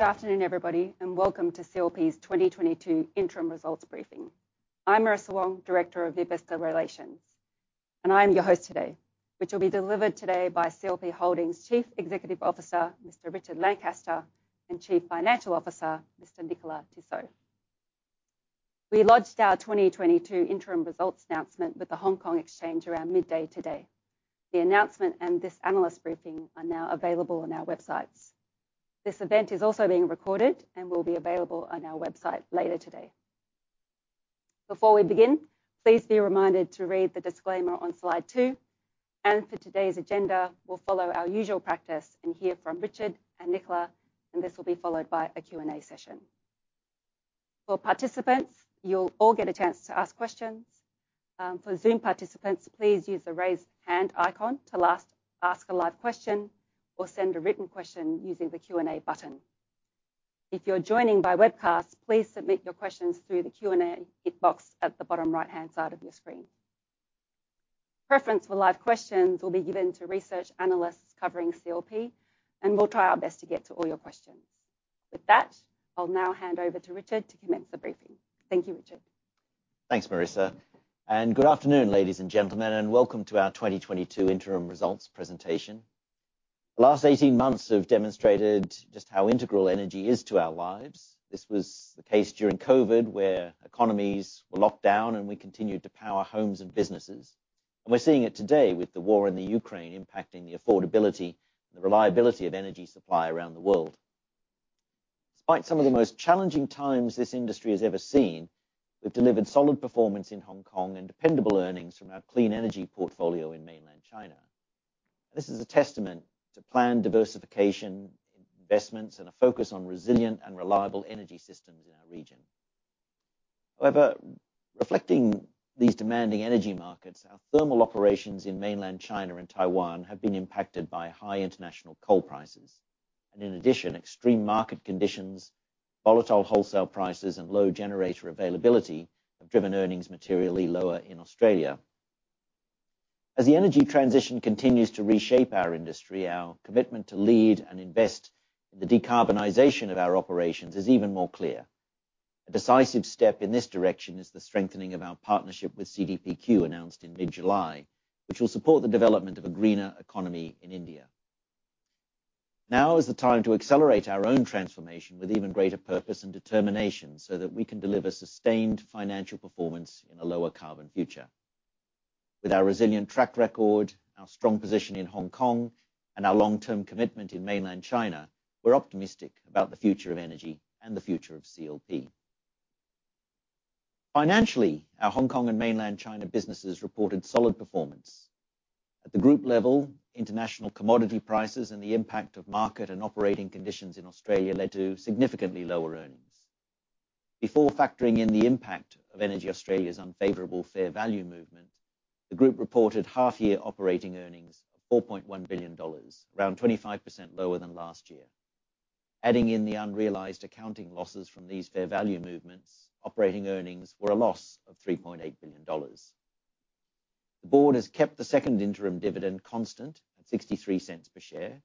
Good afternoon, everybody, and welcome to CLP's 2022 interim results briefing. I'm Marissa Wong, Director of Investor Relations, and I am your host today, which will be delivered today by CLP Holdings Chief Executive Officer, Mr. Richard Lancaster, and Chief Financial Officer, Mr. Nicolas Tissot. We lodged our 2022 interim results announcement with the Hong Kong Exchanges and Clearing around midday today. The announcement and this analyst briefing are now available on our websites. This event is also being recorded and will be available on our website later today. Before we begin, please be reminded to read the disclaimer on slide two. For today's agenda, we'll follow our usual practice and hear from Richard and Nicolas, and this will be followed by a Q&A session. For participants, you'll all get a chance to ask questions. For Zoom participants, please use the raise hand icon to ask a live question or send a written question using the Q&A button. If you're joining by webcast, please submit your questions through the Q&A box at the bottom right-hand side of your screen. Preference for live questions will be given to research analysts covering CLP, and we'll try our best to get to all your questions. With that, I'll now hand over to Richard to commence the briefing. Thank you, Richard. Thanks, Marissa. Good afternoon, ladies and gentlemen, and welcome to our 2022 interim results presentation. The last 18 months have demonstrated just how integral energy is to our lives. This was the case during COVID, where economies were locked down, and we continued to power homes and businesses. We're seeing it today with the war in the Ukraine impacting the affordability and the reliability of energy supply around the world. Despite some of the most challenging times this industry has ever seen, we've delivered solid performance in Hong Kong and dependable earnings from our clean energy portfolio in mainland China. This is a testament to planned diversification, investments, and a focus on resilient and reliable energy systems in our region. However, reflecting these demanding energy markets, our thermal operations in mainland China and Taiwan have been impacted by high international coal prices. In addition, extreme market conditions, volatile wholesale prices, and low generator availability have driven earnings materially lower in Australia. As the energy transition continues to reshape our industry, our commitment to lead and invest in the decarbonization of our operations is even more clear. A decisive step in this direction is the strengthening of our partnership with CDPQ, announced in mid-July, which will support the development of a greener economy in India. Now is the time to accelerate our own transformation with even greater purpose and determination, so that we can deliver sustained financial performance in a lower carbon future. With our resilient track record, our strong position in Hong Kong and our long-term commitment in mainland China, we're optimistic about the future of energy and the future of CLP. Financially, our Hong Kong and mainland China businesses reported solid performance. At the group level, international commodity prices and the impact of market and operating conditions in Australia led to significantly lower earnings. Before factoring in the impact of EnergyAustralia's unfavorable fair value movement, the group reported half-year operating earnings of 4.1 billion dollars, around 25% lower than last year. Adding in the unrealized accounting losses from these fair value movements, operating earnings were a loss of 3.8 billion dollars. The board has kept the second interim dividend constant at 0.63 per share.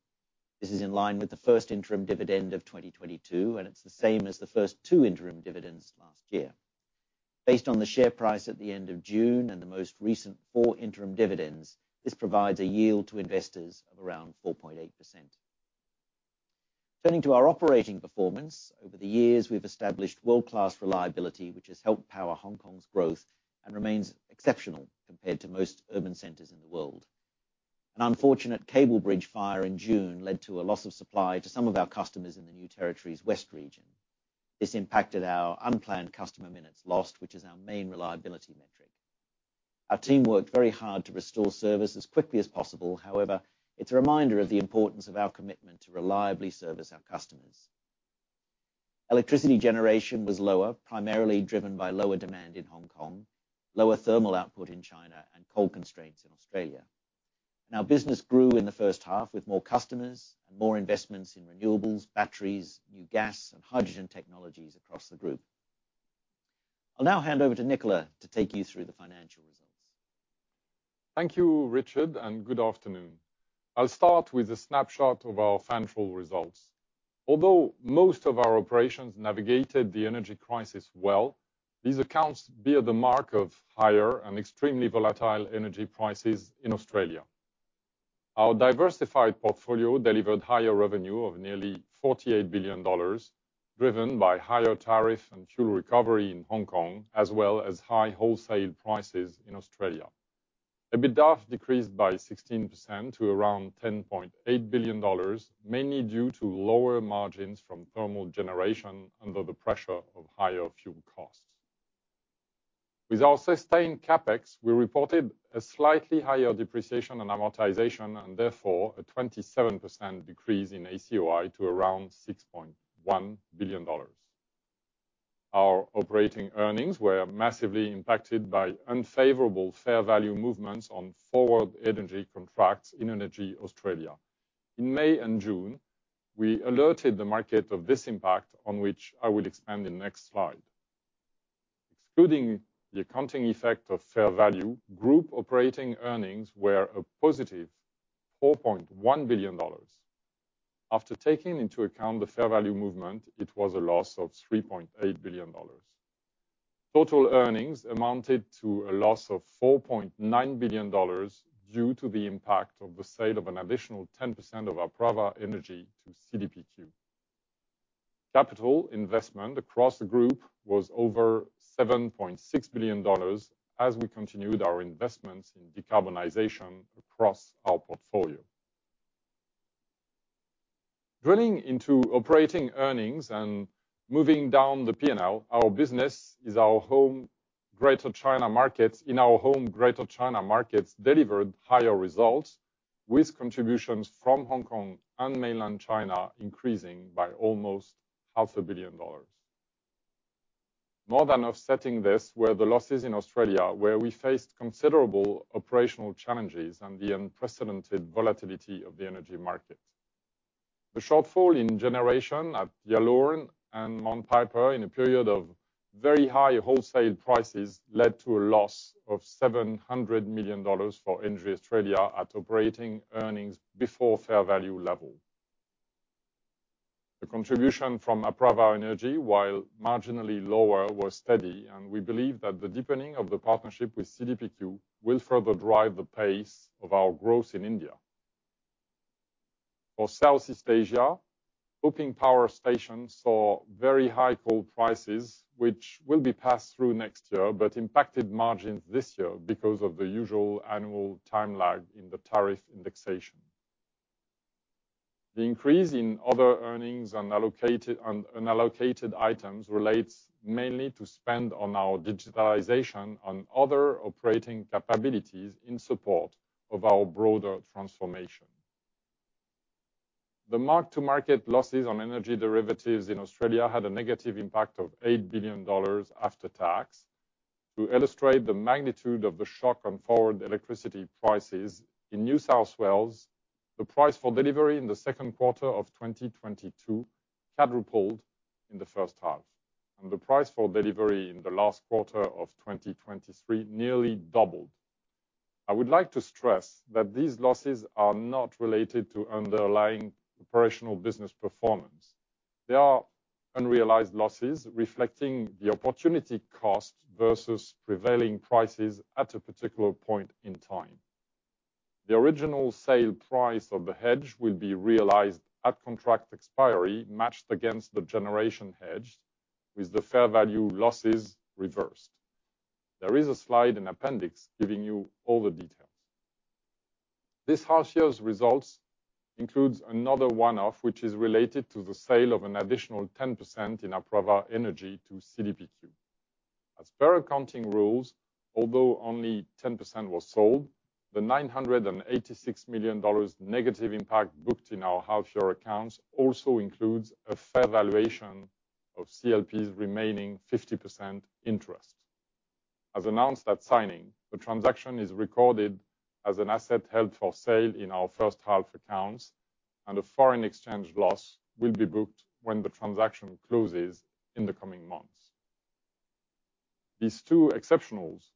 This is in line with the first interim dividend of 2022, and it's the same as the first two interim dividends last year. Based on the share price at the end of June and the most recent four interim dividends, this provides a yield to investors of around 4.8%. Turning to our operating performance. Over the years, we've established world-class reliability, which has helped power Hong Kong's growth and remains exceptional compared to most urban centers in the world. An unfortunate cable bridge fire in June led to a loss of supply to some of our customers in the New Territories West region. This impacted our Unplanned Customer Minutes Lost, which is our main reliability metric. Our team worked very hard to restore service as quickly as possible. However, it's a reminder of the importance of our commitment to reliably service our customers. Electricity generation was lower, primarily driven by lower demand in Hong Kong, lower thermal output in China, and coal constraints in Australia. Our business grew in the first half, with more customers and more investments in renewables, batteries, new gas, and hydrogen technologies across the group. I'll now hand over to Nicolas to take you through the financial results. Thank you, Richard, and good afternoon. I'll start with a snapshot of our financial results. Although most of our operations navigated the energy crisis well, these accounts bear the mark of higher and extremely volatile energy prices in Australia. Our diversified portfolio delivered higher revenue of nearly 48 billion dollars, driven by higher tariff and fuel recovery in Hong Kong, as well as high wholesale prices in Australia. EBITDA decreased by 16% to around 10.8 billion dollars, mainly due to lower margins from thermal generation under the pressure of higher fuel costs. With our sustained CapEx, we reported a slightly higher depreciation and amortization, and therefore a 27% decrease in ACOI to around 6.1 billion dollars. Our operating earnings were massively impacted by unfavorable fair value movements on forward energy contracts in EnergyAustralia. In May and June, we alerted the market of this impact on which I will expand in the next slide. Including the accounting effect of fair value, group operating earnings were a +4.1 billion dollars. After taking into account the fair value movement, it was a loss of 3.8 billion dollars. Total earnings amounted to a loss of 4.9 billion dollars due to the impact of the sale of an additional 10% of Apraava Energy to CDPQ. Capital investment across the group was over 7.6 billion dollars as we continued our investments in decarbonization across our portfolio. Drilling into operating earnings and moving down the P&L, our business in our home Greater China markets delivered higher results, with contributions from Hong Kong and Mainland China increasing by almost 500,000,000 dollars. More than offsetting this were the losses in Australia, where we faced considerable operational challenges and the unprecedented volatility of the energy market. The shortfall in generation at Yallourn and Mount Piper in a period of very high wholesale prices led to a loss of 700 million dollars for EnergyAustralia at operating earnings before fair value level. The contribution from Apraava Energy, while marginally lower, was steady, and we believe that the deepening of the partnership with CDPQ will further drive the pace of our growth in India. For Southeast Asia, Ho-Ping Power Station saw very high coal prices, which will be passed through next year, but impacted margins this year because of the usual annual time lag in the tariff indexation. The increase in other earnings and allocated, unallocated items relates mainly to spend on our digitalization on other operating capabilities in support of our broader transformation. The mark-to-market losses on energy derivatives in Australia had a negative impact of 8 billion dollars after tax. To illustrate the magnitude of the shock on forward electricity prices in New South Wales, the price for delivery in the second quarter of 2022 quadrupled in the first half, and the price for delivery in the last quarter of 2023 nearly doubled. I would like to stress that these losses are not related to underlying operational business performance. They are unrealized losses reflecting the opportunity cost versus prevailing prices at a particular point in time. The original sale price of the hedge will be realized at contract expiry matched against the generation hedge, with the fair value losses reversed. There is a slide in appendix giving you all the details. This half year's results includes another one-off, which is related to the sale of an additional 10% in Apraava Energy to CDPQ. As per accounting rules, although only 10% was sold, the 986 million dollars negative impact booked in our half year accounts also includes a fair valuation of CLP's remaining 50% interest. As announced at signing, the transaction is recorded as an asset held for sale in our first half accounts, and a foreign exchange loss will be booked when the transaction closes in the coming months. These two exceptionals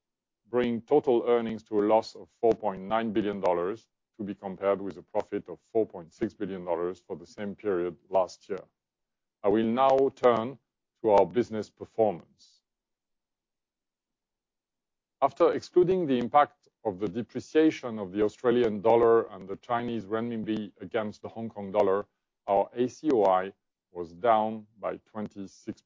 bring total earnings to a loss of 4.9 billion dollars to be compared with a profit of 4.6 billion dollars for the same period last year. I will now turn to our business performance. After excluding the impact of the depreciation of the Australian dollar and the Chinese renminbi against the Hong Kong dollar, our ACOI was down by 26%.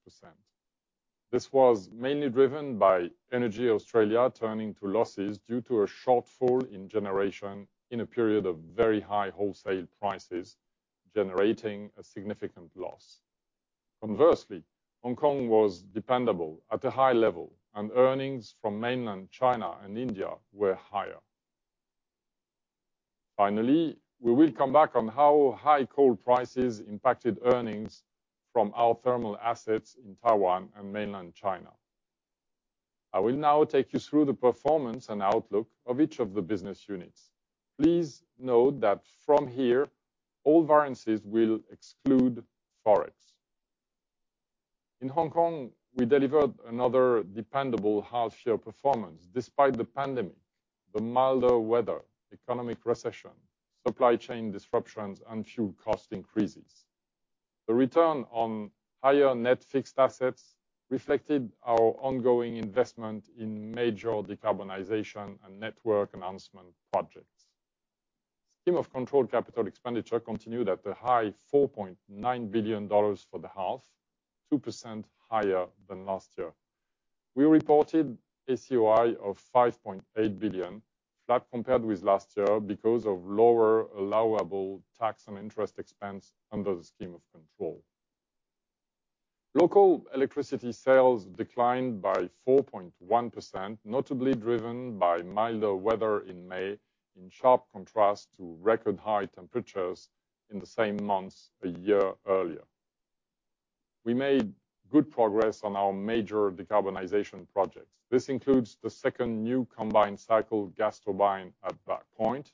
This was mainly driven by EnergyAustralia turning to losses due to a shortfall in generation in a period of very high wholesale prices, generating a significant loss. Conversely, Hong Kong was dependable at a high level, and earnings from mainland China and India were higher. Finally, we will come back on how high coal prices impacted earnings from our thermal assets in Taiwan and mainland China. I will now take you through the performance and outlook of each of the business units. Please note that from here, all variances will exclude Forex. In Hong Kong, we delivered another dependable half-year performance despite the pandemic, the milder weather, economic recession, supply chain disruptions, and fuel cost increases. The return on higher net fixed assets reflected our ongoing investment in major decarbonization and network enhancement projects. Scheme of Control capital expenditure continued at 4.9 billion dollars for the half, 2% higher than last year. We reported ACOI of 5.8 billion, flat compared with last year because of lower allowable tax and interest expense under the Scheme of Control. Local electricity sales declined by 4.1%, notably driven by milder weather in May, in sharp contrast to record high temperatures in the same months a year earlier. We made good progress on our major decarbonization projects. This includes the second new combined cycle gas turbine at Black Point.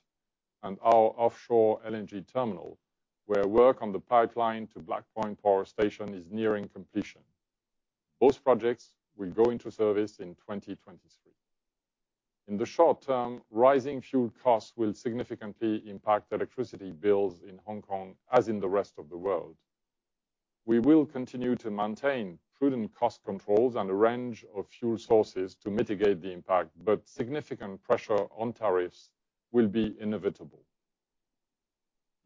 Our offshore LNG terminal, where work on the pipeline to Black Point Power Station is nearing completion. Both projects will go into service in 2023. In the short term, rising fuel costs will significantly impact electricity bills in Hong Kong, as in the rest of the world. We will continue to maintain prudent cost controls and a range of fuel sources to mitigate the impact, but significant pressure on tariffs will be inevitable.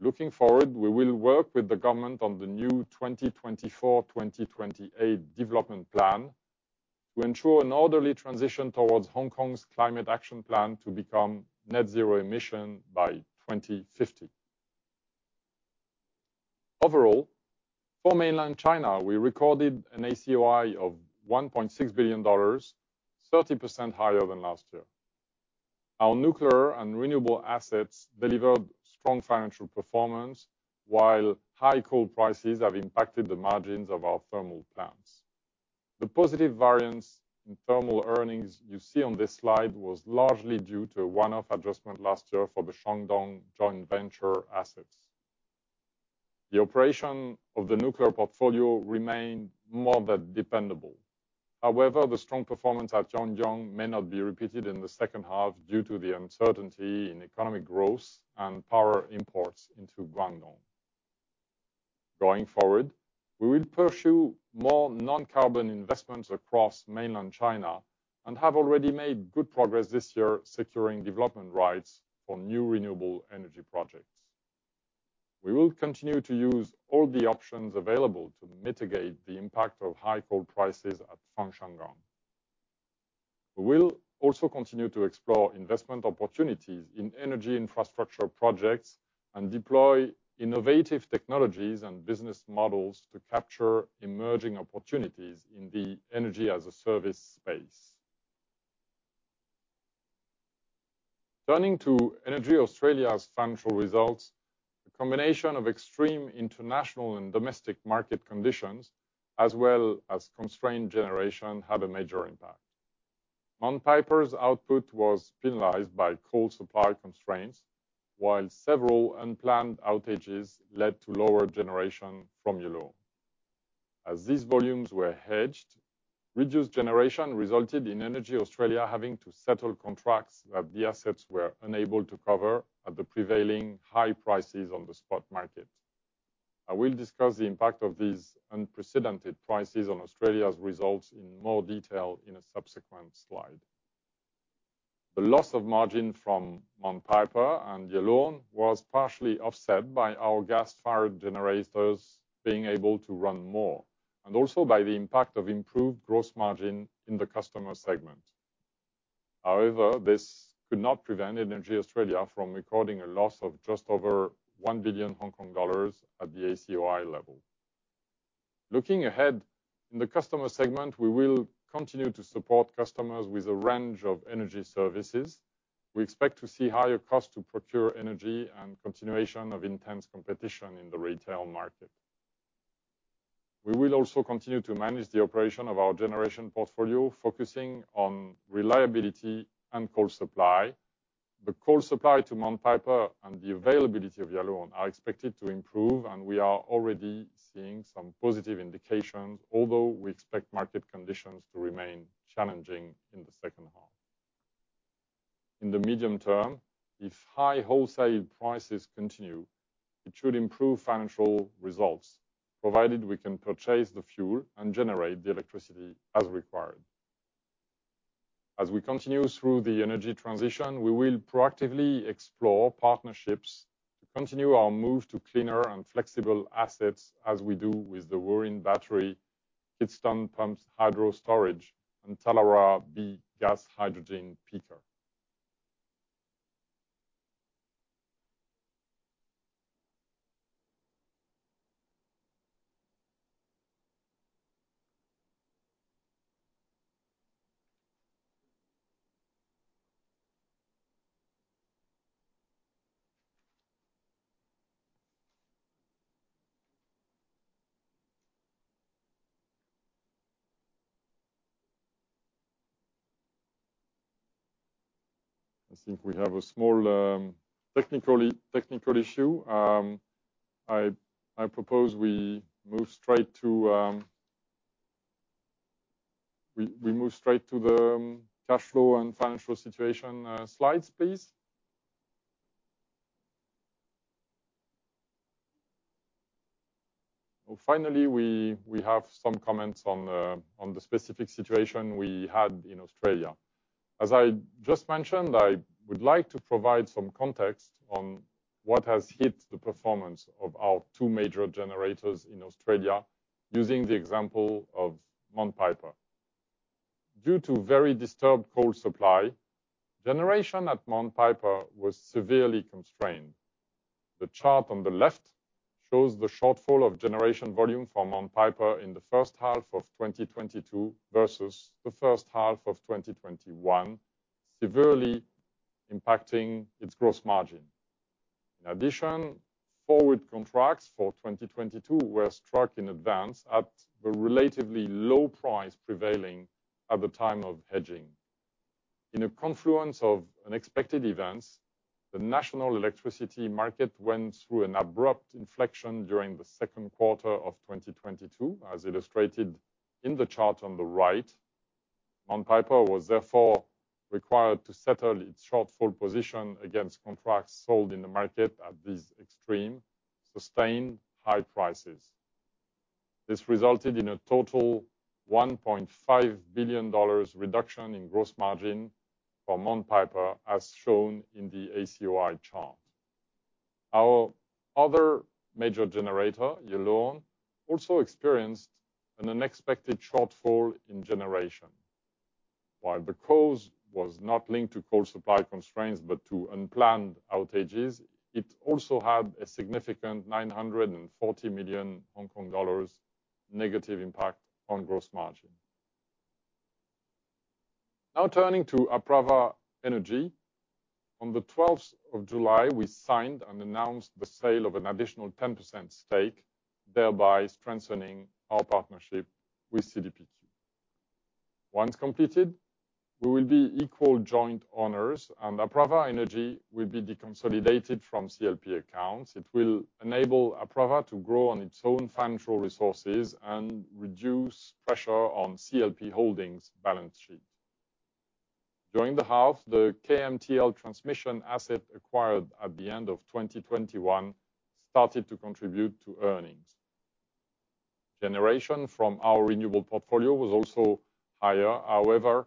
Looking forward, we will work with the government on the new 2024-2028 development plan to ensure an orderly transition towards Hong Kong's climate action plan to become net zero emission by 2050. Overall, for mainland China, we recorded an ACOI of 1.6 billion dollars, 30% higher than last year. Our nuclear and renewable assets delivered strong financial performance, while high coal prices have impacted the margins of our thermal plants. The positive variance in thermal earnings you see on this slide was largely due to a one-off adjustment last year for the Shandong joint venture assets. The operation of the nuclear portfolio remained more than dependable. However, the strong performance at Yangjiang may not be repeated in the second half due to the uncertainty in economic growth and power imports into Guangdong. Going forward, we will pursue more non-carbon investments across mainland China and have already made good progress this year securing development rights for new renewable energy projects. We will continue to use all the options available to mitigate the impact of high coal prices at Fangchenggang. We will also continue to explore investment opportunities in energy infrastructure projects and deploy innovative technologies and business models to capture emerging opportunities in the Energy-as-a-Service space. Turning to EnergyAustralia's financial results, a combination of extreme international and domestic market conditions, as well as constrained generation, had a major impact. Mount Piper's output was penalized by coal supply constraints, while several unplanned outages led to lower generation from Yallourn. As these volumes were hedged, reduced generation resulted in EnergyAustralia having to settle contracts that the assets were unable to cover at the prevailing high prices on the spot market. I will discuss the impact of these unprecedented prices on Australia's results in more detail in a subsequent slide. The loss of margin from Mount Piper and Yallourn was partially offset by our gas-fired generators being able to run more, and also by the impact of improved gross margin in the customer segment. However, this could not prevent EnergyAustralia from recording a loss of just over 1 billion Hong Kong dollars at the ACOI level. Looking ahead, in the customer segment, we will continue to support customers with a range of energy services. We expect to see higher costs to procure energy and continuation of intense competition in the retail market. We will also continue to manage the operation of our generation portfolio, focusing on reliability and coal supply. The coal supply to Mount Piper and the availability of Yallourn are expected to improve, and we are already seeing some positive indications, although we expect market conditions to remain challenging in the second half. In the medium term, if high wholesale prices continue, it should improve financial results, provided we can purchase the fuel and generate the electricity as required. As we continue through the energy transition, we will proactively explore partnerships to continue our move to cleaner and flexible assets as we do with the Wooreen battery, Kidston Pumped Hydro Storage, and Tallawarra B gas hydrogen peaker. I think we have a small technical issue. I propose we move straight to the cash flow and financial situation slides, please. Well, finally, we have some comments on the specific situation we had in Australia. As I just mentioned, I would like to provide some context on what has hit the performance of our two major generators in Australia using the example of Mount Piper. Due to very disturbed coal supply, generation at Mount Piper was severely constrained. The chart on the left shows the shortfall of generation volume for Mount Piper in the first half of 2022 versus the first half of 2021, severely impacting its gross margin. In addition, forward contracts for 2022 were struck in advance at a relatively low price prevailing at the time of hedging. In a confluence of unexpected events, the National Electricity Market went through an abrupt inflection during the second quarter of 2022, as illustrated in the chart on the right. Mount Piper was therefore required to settle its shortfall position against contracts sold in the market at these extreme, sustained high prices. This resulted in a total 1.5 billion dollars reduction in gross margin for Mount Piper, as shown in the ACOI chart. Our other major generator, Yallourn, also experienced an unexpected shortfall in generation. While the cause was not linked to coal supply constraints, but to unplanned outages, it also had a significant 940 million Hong Kong dollars negative impact on gross margin. Now turning to Apraava Energy. On the 12th of July, we signed and announced the sale of an additional 10% stake, thereby strengthening our partnership with CDPQ. Once completed, we will be equal joint owners, and Apraava Energy will be deconsolidated from CLP accounts. It will enable Apraava to grow on its own financial resources and reduce pressure on CLP Holdings' balance sheet. During the half, the KMTL transmission asset acquired at the end of 2021 started to contribute to earnings. Generation from our renewable portfolio was also higher. However,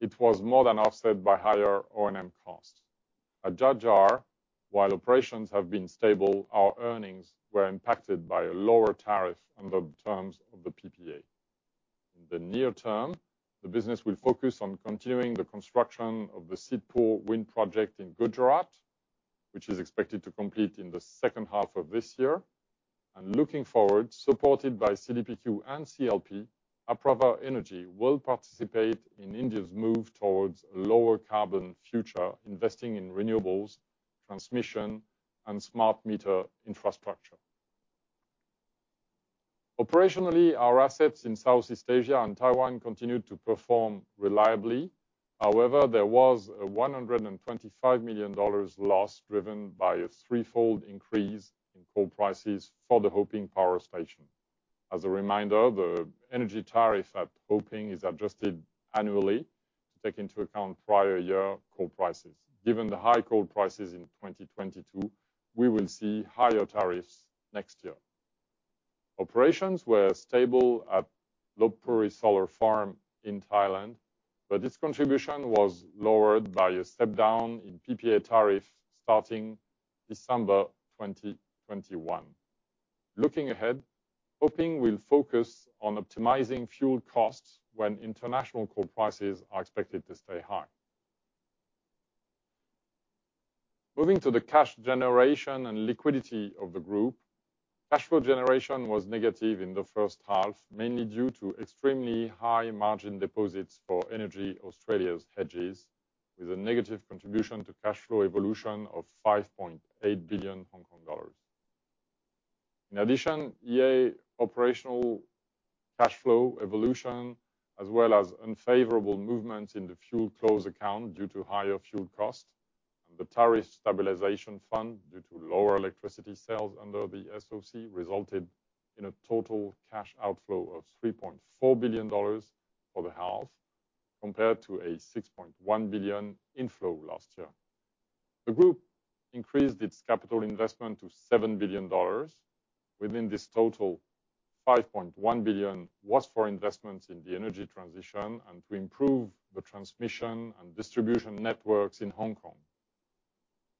it was more than offset by higher O&M costs. At Jhajjar, while operations have been stable, our earnings were impacted by a lower tariff under the terms of the PPA. In the near term, the business will focus on continuing the construction of the Sidhpur wind project in Gujarat, which is expected to complete in the second half of this year. Looking forward, supported by CDPQ and CLP, Apraava Energy will participate in India's move towards a lower carbon future, investing in renewables, transmission, and smart meter infrastructure. Operationally, our assets in Southeast Asia and Taiwan continued to perform reliably. However, there was a $125 million loss driven by a threefold increase in coal prices for the Ho-Ping Power Station. As a reminder, the energy tariff at Ho-Ping is adjusted annually to take into account prior year coal prices. Given the high coal prices in 2022, we will see higher tariffs next year. Operations were stable at Lopburi Solar Farm in Thailand, but its contribution was lowered by a step down in PPA tariff starting December 2021. Looking ahead, Ho-Ping will focus on optimizing fuel costs when international coal prices are expected to stay high. Moving to the cash generation and liquidity of the group. Cash flow generation was negative in the first half, mainly due to extremely high margin deposits for EnergyAustralia's hedges, with a negative contribution to cash flow evolution of 5.8 billion Hong Kong dollars. In addition, EA operational cash flow evolution, as well as unfavorable movements in the fuel clause account due to higher fuel costs, and the tariff stabilization fund due to lower electricity sales under the SOC, resulted in a total cash outflow of 3.4 billion dollars for the half, compared to a 6.1 billion inflow last year. The group increased its capital investment to 7 billion dollars. Within this total, 5.1 billion was for investments in the energy transition and to improve the transmission and distribution networks in Hong Kong.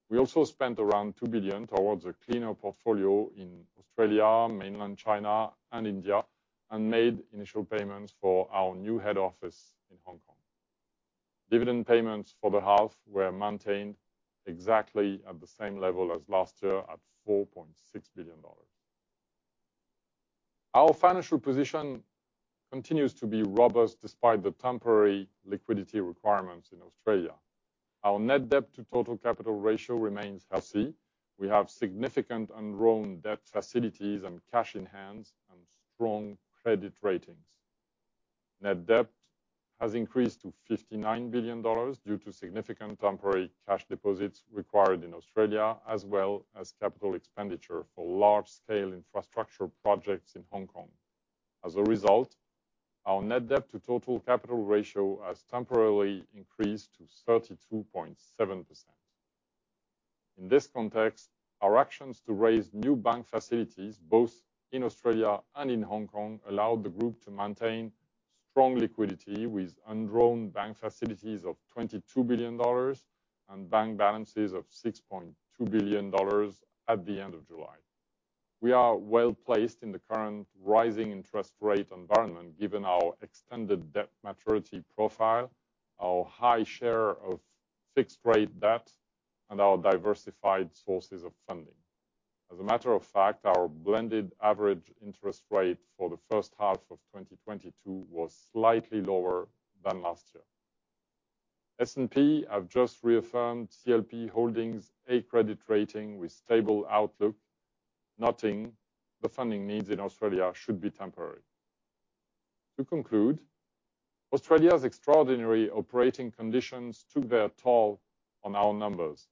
We also spent around 2 billion towards a cleaner portfolio in Australia, mainland China, and India, and made initial payments for our new head office in Hong Kong. Dividend payments for the half were maintained exactly at the same level as last year at 4.6 billion dollars. Our financial position continues to be robust despite the temporary liquidity requirements in Australia. Our net debt to total capital ratio remains healthy. We have significant undrawn debt facilities and cash on hand and strong credit ratings. Net debt has increased to 59 billion dollars due to significant temporary cash deposits required in Australia, as well as capital expenditure for large-scale infrastructure projects in Hong Kong. As a result, our net debt to total capital ratio has temporarily increased to 32.7%. In this context, our actions to raise new bank facilities, both in Australia and in Hong Kong, allowed the group to maintain strong liquidity with undrawn bank facilities of 22 billion dollars and bank balances of 6.2 billion dollars at the end of July. We are well-placed in the current rising interest rate environment, given our extended debt maturity profile, our high share of fixed rate debt, and our diversified sources of funding. As a matter of fact, our blended average interest rate for the first half of 2022 was slightly lower than last year. S&P have just reaffirmed CLP Holdings A credit rating with stable outlook, noting the funding needs in Australia should be temporary. To conclude, Australia's extraordinary operating conditions took their toll on our numbers.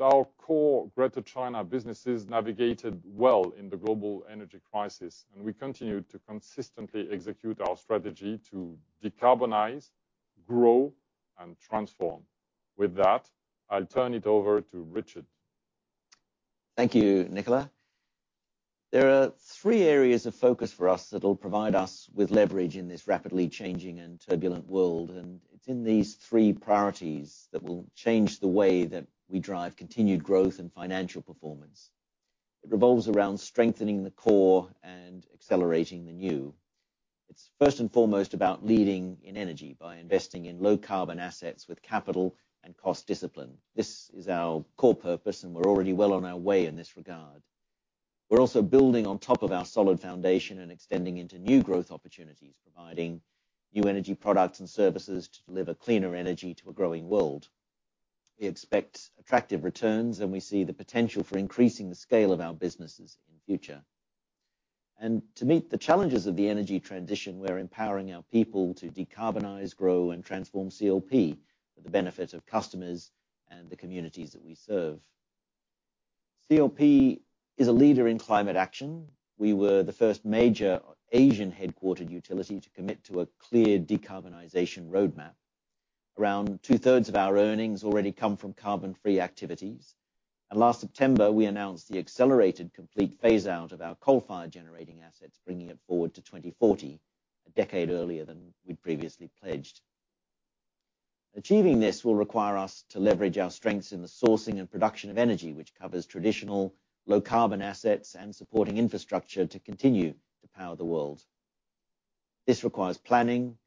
Our core Greater China businesses navigated well in the global energy crisis, and we continued to consistently execute our strategy to decarbonize, grow, and transform. With that, I'll turn it over to Richard. Thank you, Nicolas. There are three areas of focus for us that will provide us with leverage in this rapidly changing and turbulent world, it's in these three priorities that will change the way that we drive continued growth and financial performance. It revolves around strengthening the core and accelerating the new. It's first and foremost about leading in energy by investing in low carbon assets with capital and cost discipline. This is our core purpose, and we're already well on our way in this regard. We're also building on top of our solid foundation and extending into new growth opportunities, providing new energy products and services to deliver cleaner energy to a growing world. We expect attractive returns, and we see the potential for increasing the scale of our businesses in future. To meet the challenges of the energy transition, we're empowering our people to decarbonize, grow and transform CLP for the benefit of customers and the communities that we serve. CLP is a leader in climate action. We were the first major Asian headquartered utility to commit to a clear decarbonization roadmap. Around 2/3 of our earnings already come from carbon-free activities. Last September, we announced the accelerated complete phase out of our coal-fired generating assets, bringing it forward to 2040, a decade earlier than we'd previously pledged. Achieving this will require us to leverage our strengths in the sourcing and production of energy, which covers traditional low carbon assets and supporting infrastructure to continue to power the world. This requires planning,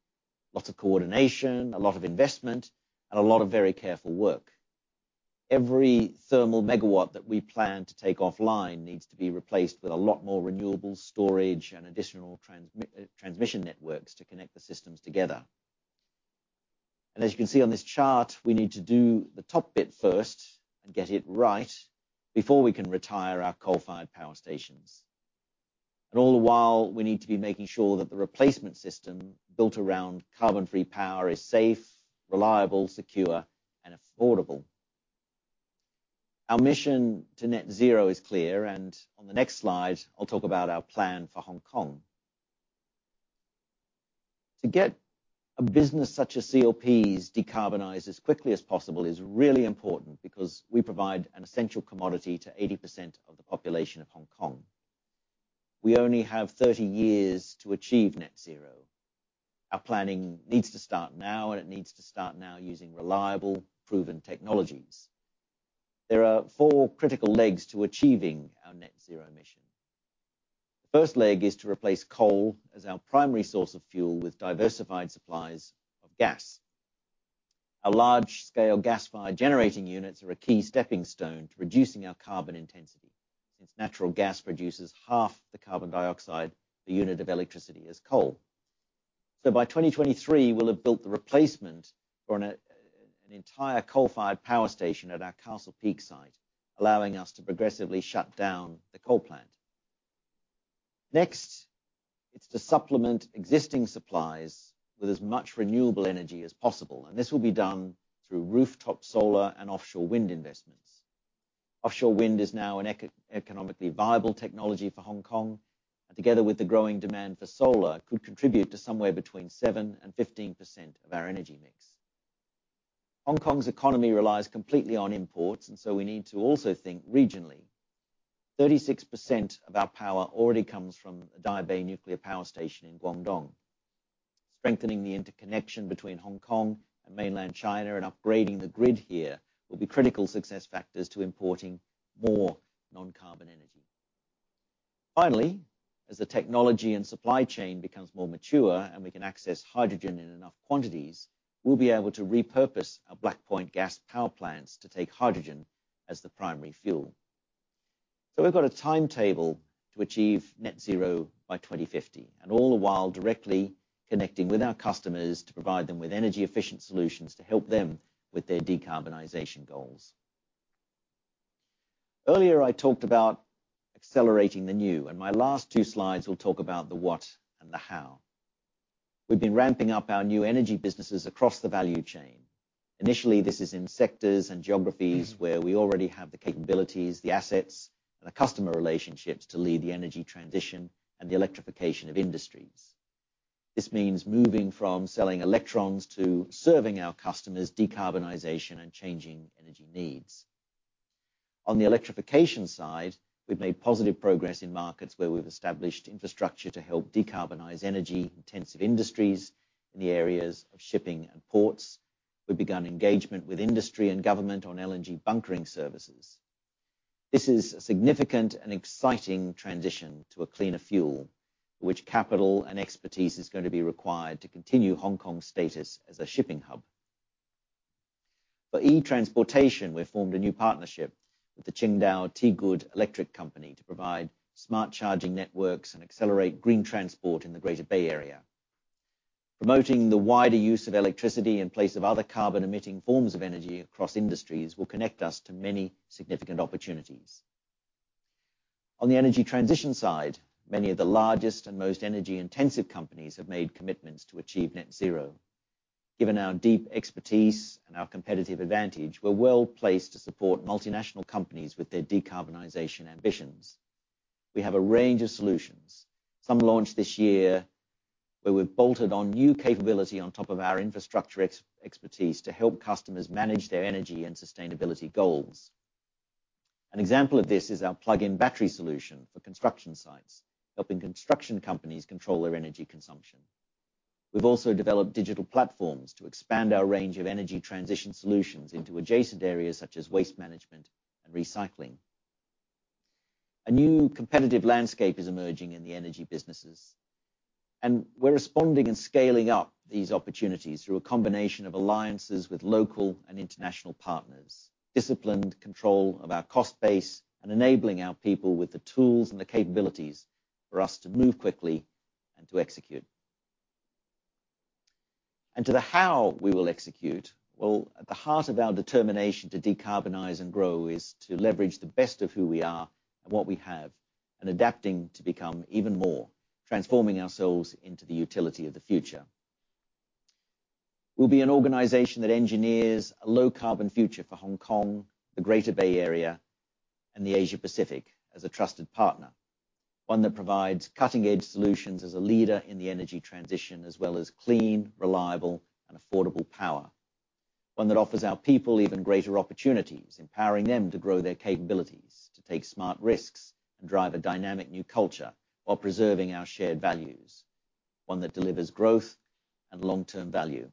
lots of coordination, a lot of investment, and a lot of very careful work. Every thermal megawatt that we plan to take offline needs to be replaced with a lot more renewable storage and additional transmission networks to connect the systems together. As you can see on this chart, we need to do the top bit first and get it right before we can retire our coal-fired power stations. All the while, we need to be making sure that the replacement system built around carbon-free power is safe, reliable, secure and affordable. Our mission to net zero is clear, and on the next slide, I'll talk about our plan for Hong Kong. To get a business such as CLP's decarbonize as quickly as possible is really important because we provide an essential commodity to 80% of the population of Hong Kong. We only have 30 years to achieve net zero. Our planning needs to start now, and it needs to start now using reliable, proven technologies. There are four critical legs to achieving our net zero emissions. The first leg is to replace coal as our primary source of fuel with diversified supplies of gas. Our large-scale gas-fired generating units are a key stepping stone to reducing our carbon intensity, since natural gas produces half the carbon dioxide a unit of electricity as coal. By 2023, we'll have built the replacement for an entire coal-fired power station at our Castle Peak site, allowing us to progressively shut down the coal plant. Next, it's to supplement existing supplies with as much renewable energy as possible, and this will be done through rooftop solar and offshore wind investments. Offshore wind is now an eco-economically viable technology for Hong Kong, and together with the growing demand for solar, could contribute to somewhere between 7%-15% of our energy mix. Hong Kong's economy relies completely on imports, and so we need to also think regionally. 36% of our power already comes from the Daya Bay Nuclear Power Station in Guangdong. Strengthening the interconnection between Hong Kong and mainland China and upgrading the grid here will be critical success factors to importing more non-carbon energy. Finally, as the technology and supply chain becomes more mature and we can access hydrogen in enough quantities, we'll be able to repurpose our Black Point gas power plants to take hydrogen as the primary fuel. We've got a timetable to achieve net zero by 2050, and all the while directly connecting with our customers to provide them with energy efficient solutions to help them with their decarbonization goals. Earlier, I talked about accelerating the new, and my last two slides will talk about the what and the how. We've been ramping up our new energy businesses across the value chain. Initially, this is in sectors and geographies where we already have the capabilities, the assets, and the customer relationships to lead the energy transition and the electrification of industries. This means moving from selling electrons to serving our customers decarbonization and changing energy needs. On the electrification side, we've made positive progress in markets where we've established infrastructure to help decarbonize energy-intensive industries in the areas of shipping and ports. We've begun engagement with industry and government on LNG bunkering services. This is a significant and exciting transition to a cleaner fuel, which capital and expertise is going to be required to continue Hong Kong's status as a shipping hub. For e-transportation, we've formed a new partnership with the Qingdao TGOOD Electric Co to provide smart charging networks and accelerate green transport in the Greater Bay Area. Promoting the wider use of electricity in place of other carbon-emitting forms of energy across industries will connect us to many significant opportunities. On the energy transition side, many of the largest and most energy-intensive companies have made commitments to achieve net zero. Given our deep expertise and our competitive advantage, we're well-placed to support multinational companies with their decarbonization ambitions. We have a range of solutions, some launched this year, where we've bolted on new capability on top of our infrastructure expertise to help customers manage their energy and sustainability goals. An example of this is our plug-in battery solution for construction sites, helping construction companies control their energy consumption. We've also developed digital platforms to expand our range of energy transition solutions into adjacent areas such as waste management and recycling. A new competitive landscape is emerging in the energy businesses, and we're responding and scaling up these opportunities through a combination of alliances with local and international partners, disciplined control of our cost base, and enabling our people with the tools and the capabilities for us to move quickly and to execute. To the how we will execute, well, at the heart of our determination to decarbonize and grow is to leverage the best of who we are and what we have, and adapting to become even more, transforming ourselves into the utility of the future. We'll be an organization that engineers a low carbon future for Hong Kong, the Greater Bay Area, and the Asia-Pacific as a trusted partner. One that provides cutting-edge solutions as a leader in the energy transition, as well as clean, reliable, and affordable power. One that offers our people even greater opportunities, empowering them to grow their capabilities, to take smart risks, and drive a dynamic new culture while preserving our shared values. One that delivers growth and long-term value.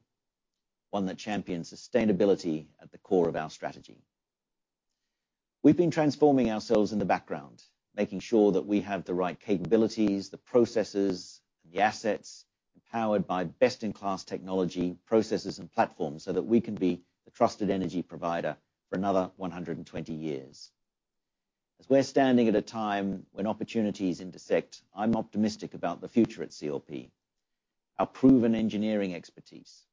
One that champions sustainability at the core of our strategy. We've been transforming ourselves in the background, making sure that we have the right capabilities, the processes, and the assets, empowered by best-in-class technology, processes, and platforms, so that we can be the trusted energy provider for another 120 years. As we're standing at a time when opportunities intersect, I'm optimistic about the future at CLP. Our proven engineering expertise,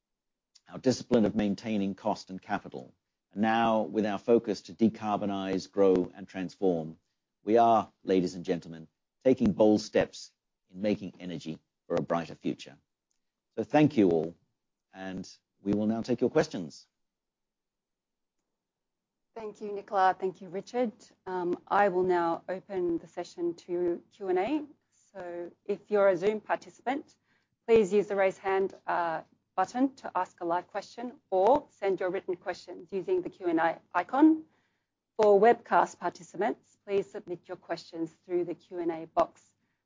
our discipline of maintaining cost and capital, and now with our focus to decarbonize, grow, and transform, we are, ladies and gentlemen, taking bold steps in making energy for a brighter future. Thank you all, and we will now take your questions. Thank you, Nicolas. Thank you, Richard. I will now open the session to Q&A. If you're a Zoom participant, please use the Raise Hand button to ask a live question or send your written questions using the Q&A icon. For webcast participants, please submit your questions through the Q&A box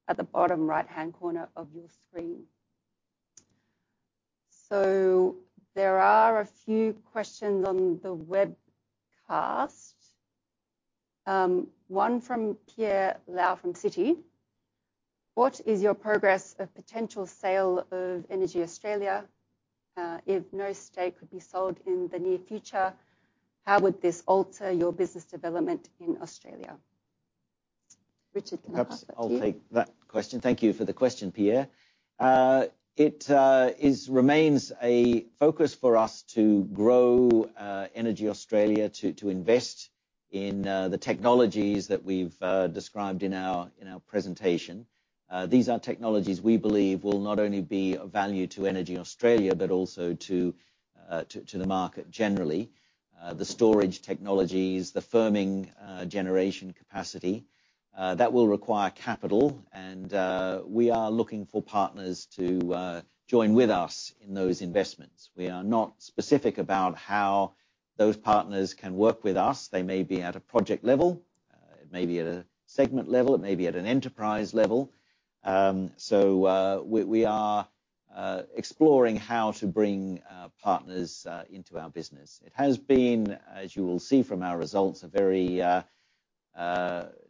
at the bottom right-hand corner of your screen. There are a few questions on the webcast. One from Pierre Lau from Citi. What is your progress of potential sale of EnergyAustralia? If no stake could be sold in the near future, how would this alter your business development in Australia? Richard, can I pass that to you? Perhaps I'll take that question. Thank you for the question, Pierre. It remains a focus for us to grow EnergyAustralia to invest in the technologies that we've described in our presentation. These are technologies we believe will not only be of value to EnergyAustralia, but also to the market generally. The storage technologies, the firming generation capacity, that will require capital and we are looking for partners to join with us in those investments. We are not specific about how those partners can work with us. They may be at a project level, it may be at a segment level, it may be at an enterprise level. So, we are exploring how to bring partners into our business. It has been, as you will see from our results, a very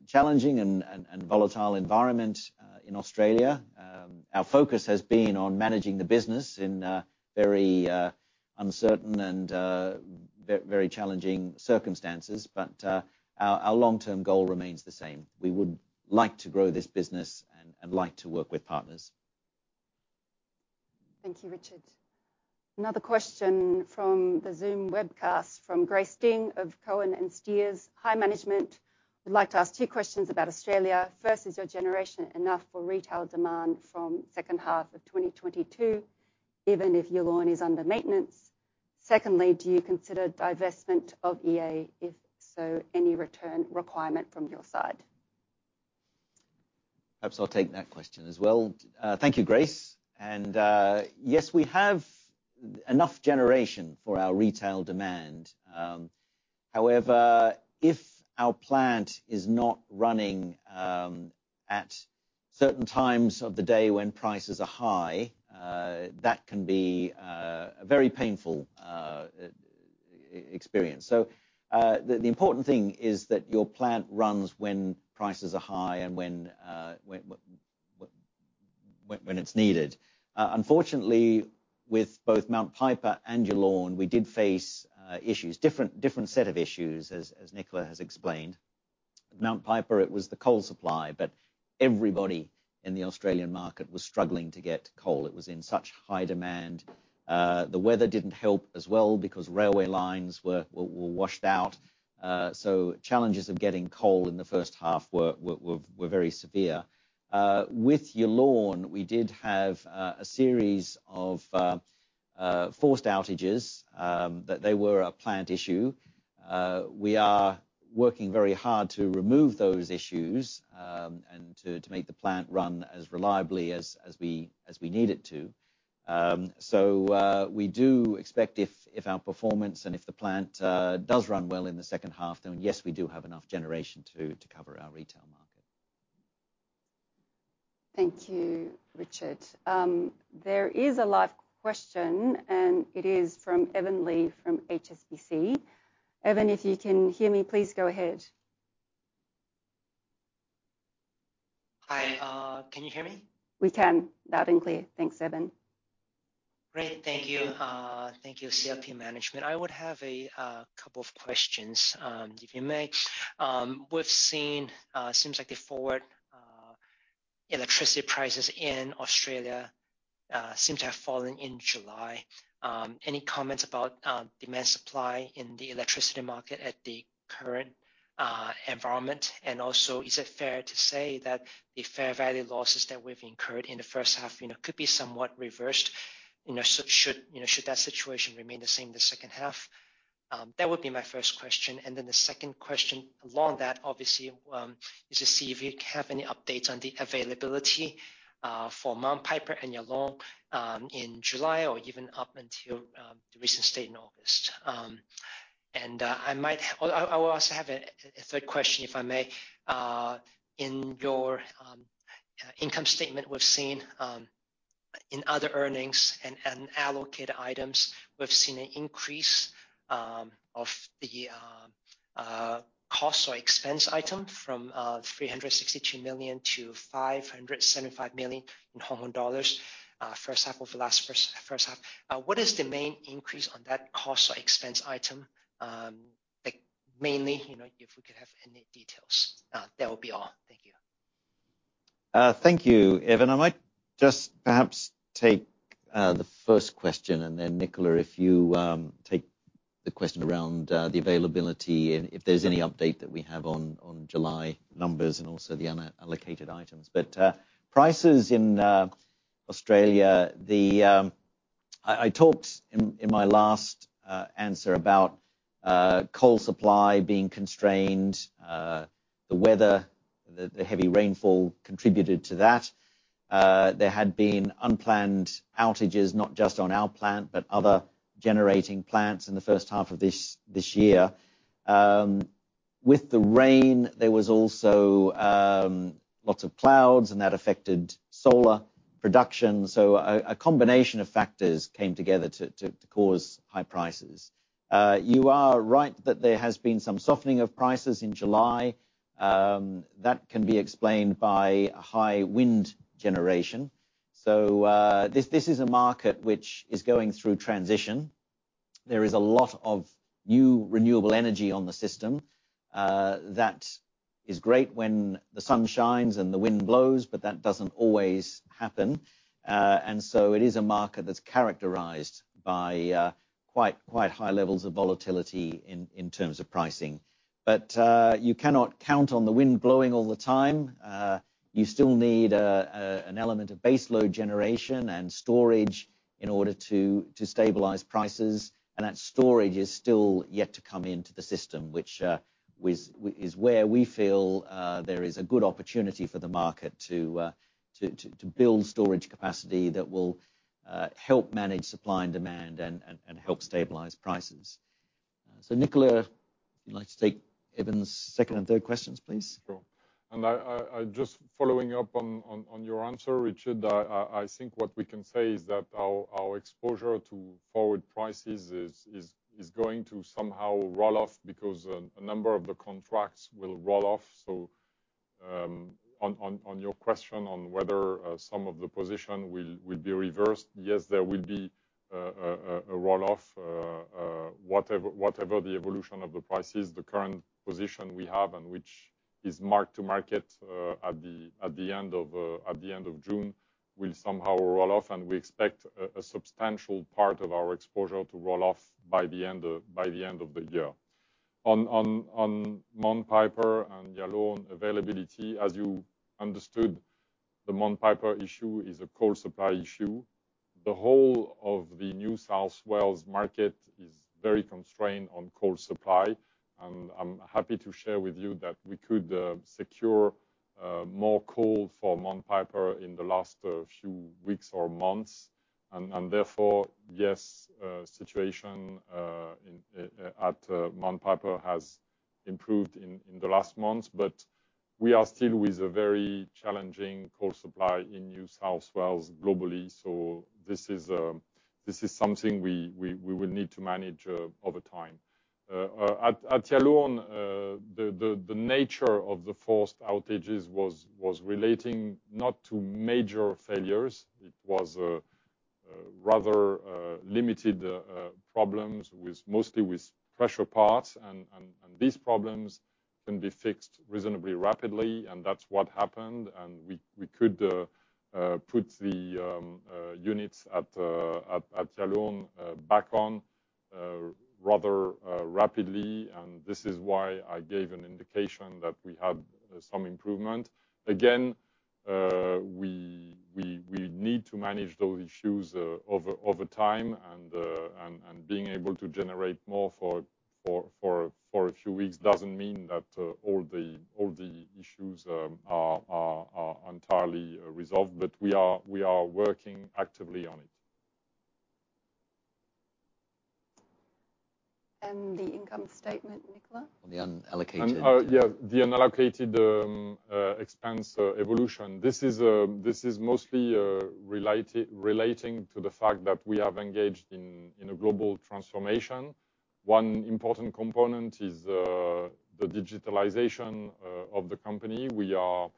challenging and volatile environment in Australia. Our focus has been on managing the business in very uncertain and very challenging circumstances. Our long-term goal remains the same. We would like to grow this business and like to work with partners. Thank you, Richard. Another question from the Zoom webcast from Grace Ding of Cohen & Steers. Hi, management. Would like to ask two questions about Australia. First, is your generation enough for retail demand from second half of 2022, even if your plant is under maintenance? Secondly, do you consider divestment of EnergyAustralia? If so, any return requirement from your side? Perhaps I'll take that question as well. Thank you, Grace. Yes, we have enough generation for our retail demand. However, if our plant is not running at certain times of the day when prices are high, that can be a very painful experience. The important thing is that your plant runs when prices are high and when it's needed. Unfortunately, with both Mount Piper and Yallourn, we did face issues, different set of issues as Nicolas has explained. Mount Piper, it was the coal supply, but everybody in the Australian market was struggling to get coal. It was in such high demand. The weather didn't help as well because railway lines were washed out. Challenges of getting coal in the first half were very severe. With Yallourn, we did have a series of forced outages that there were plant issues. We are working very hard to remove those issues and to make the plant run as reliably as we need it to. We do expect if our performance and if the plant does run well in the second half, then yes, we do have enough generation to cover our retail market. Thank you, Richard. There is a live question, and it is from Evan Li from HSBC. Evan, if you can hear me, please go ahead. Hi, can you hear me? We can. Loud and clear. Thanks, Evan. Great. Thank you. Thank you, CLP management. I would have a couple of questions, if you may. We've seen, seems like the forward electricity prices in Australia seem to have fallen in July. Any comments about, demand supply in the electricity market at the current environment? And also, is it fair to say that the fair value losses that we've incurred in the first half, you know, could be somewhat reversed, you know, so should that situation remain the same the second half? That would be my first question. And then the second question along that obviously is to see if you have any updates on the availability for Mount Piper and Yallourn in July or even up until the recent date in August. I also have a third question, if I may. In your income statement, we've seen in other earnings and allocated items, we've seen an increase of the cost or expense item from 362 million to 575 million first half over last first half. What is the main increase on that cost or expense item? Like mainly, you know, if we could have any details. That would be all. Thank you. Thank you, Evan. I might just perhaps take the first question, and then Nicolas, if you take the question around the availability and if there's any update that we have on July numbers and also the unallocated items. Prices in Australia. I talked in my last answer about coal supply being constrained, the weather, the heavy rainfall contributed to that. There had been unplanned outages, not just on our plant, but other generating plants in the first half of this year. With the rain, there was also lots of clouds, and that affected solar production. A combination of factors came together to cause high prices. You are right that there has been some softening of prices in July. That can be explained by high wind generation. This is a market which is going through transition. There is a lot of new renewable energy on the system that is great when the sun shines and the wind blows, but that doesn't always happen. It is a market that's characterized by quite high levels of volatility in terms of pricing. You cannot count on the wind blowing all the time. You still need an element of base load generation and storage in order to stabilize prices, and that storage is still yet to come into the system, which is where we feel there is a good opportunity for the market to build storage capacity that will help manage supply and demand and help stabilize prices. Nicolas, if you'd like to take Evan's second and third questions, please. Sure. I just following up on your answer, Richard. I think what we can say is that our exposure to forward prices is going to somehow roll off because a number of the contracts will roll off. On your question on whether some of the position will be reversed, yes, there will be a roll off. Whatever the evolution of the prices, the current position we have and which is marked to market at the end of June will somehow roll off, and we expect a substantial part of our exposure to roll off by the end of the year. On Mount Piper and Yallourn availability, as you understood, the Mount Piper issue is a coal supply issue. The whole of the New South Wales market is very constrained on coal supply. I'm happy to share with you that we could secure more coal for Mount Piper in the last few weeks or months. Therefore, the situation at Mount Piper has improved in the last months. But we are still with a very challenging coal supply in New South Wales globally. This is something we will need to manage over time. At Yallourn, the nature of the forced outages was relating not to major failures. It was rather limited problems, mostly with pressure parts, and these problems can be fixed reasonably rapidly, and that's what happened. We could put the units at Yallourn back on rather rapidly. This is why I gave an indication that we have some improvement. Again, we need to manage those issues over time. Being able to generate more for a few weeks doesn't mean that all the issues are entirely resolved, but we are working actively on it. The income statement, Nicolas? On the unallocated. The unallocated expense evolution. This is mostly relating to the fact that we have engaged in a global transformation. One important component is the digitalization of the company. We are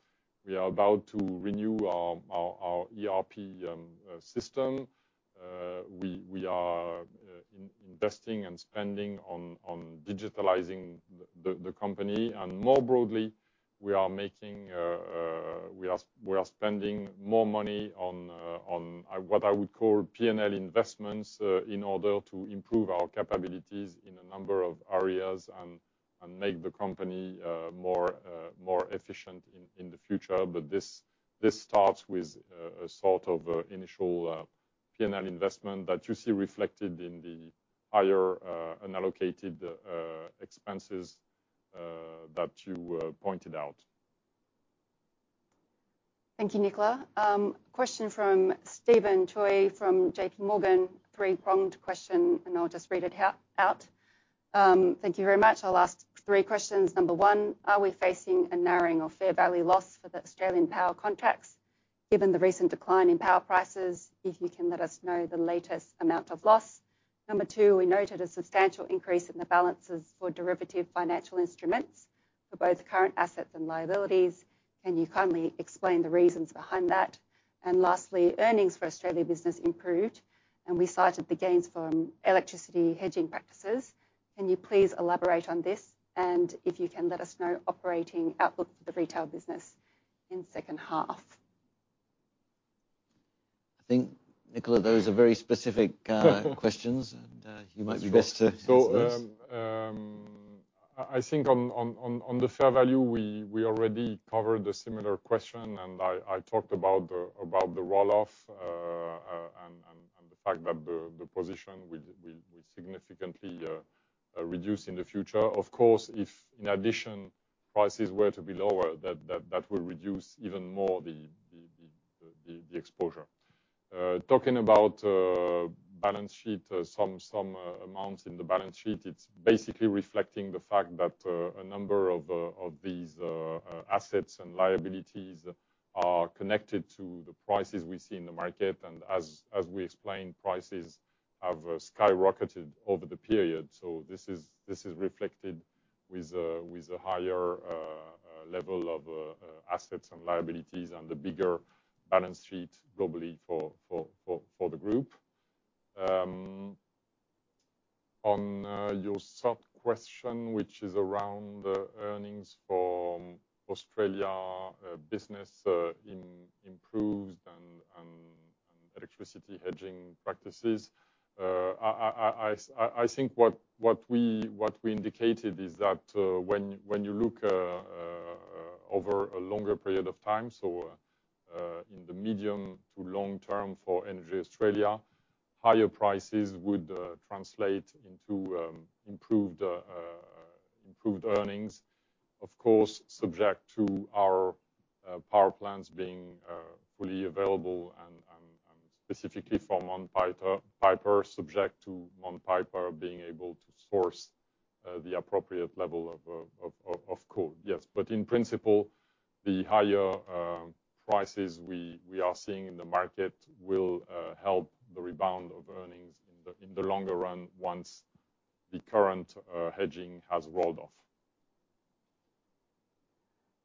about to renew our ERP system. We are investing and spending on digitalizing the company. More broadly, we are spending more money on what I would call P&L investments in order to improve our capabilities in a number of areas and make the company more efficient in the future. This starts with a sort of initial P&L investment that you see reflected in the higher unallocated expenses that you pointed out. Thank you, Nicolas. Question from Steven Choi from JPMorgan. Three-pronged question, and I'll just read it out. Thank you very much. I'll ask three questions. Number one, are we facing a narrowing of fair value loss for the Australian power contracts given the recent decline in power prices? If you can let us know the latest amount of loss. Number two, we noted a substantial increase in the balances for derivative financial instruments for both current assets and liabilities. Can you kindly explain the reasons behind that? Lastly, earnings for Australian business improved, and we cited the gains from electricity hedging practices. Can you please elaborate on this? If you can let us know operating outlook for the retail business in second half. I think, Nicolas, those are very specific questions, and you might be best to answer those. I think on the fair value, we already covered a similar question, and I talked about the roll-off, and the fact that the position will significantly reduce in the future. Of course, if in addition, prices were to be lower, that will reduce even more the exposure. Talking about balance sheet, some amounts in the balance sheet, it's basically reflecting the fact that a number of these assets and liabilities are connected to the prices we see in the market. As we explained, prices have skyrocketed over the period. This is reflected with a higher level of assets and liabilities and a bigger balance sheet globally for the group. On your third question, which is around earnings from Australian business improved and electricity hedging practices. I think what we indicated is that, when you look over a longer period of time, so in the medium to long term for EnergyAustralia, higher prices would translate into improved earnings. Of course, subject to our power plants being fully available and, specifically for Mount Piper, subject to Mount Piper being able to source the appropriate level of coal. Yes. In principle, the higher prices we are seeing in the market will help the rebound of earnings in the longer run once the current hedging has rolled off.